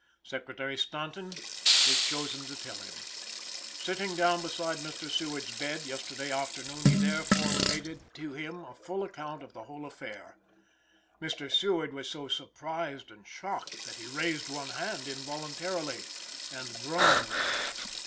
Secretary Stanton was chosen to tell him. Sitting down beside Mr. Seward's bed, yesterday afternoon, he therefore related to him a full account of the whole affair. Mr. Seward was so surprised and shocked that he raised one hand involuntarily, and groaned.